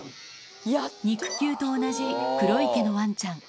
肉球と同じ黒い毛のワンちゃん